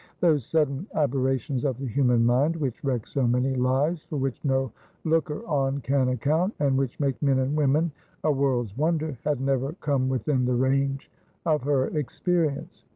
Those sudden aberrations of the human mind which wreck so many lives, for which no looker on can account, and which make men and women a world's wonder, had never come within the range of her experience.